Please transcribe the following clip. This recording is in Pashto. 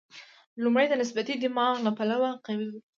لومړی د نسبتي دماغ له پلوه قوي وي.